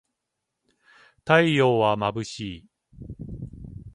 太陽はまぶしい